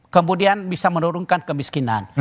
kemudian bisa menurunkan kemiskinan